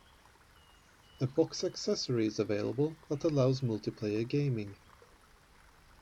A box accessory is available that allows multiplayer gaming.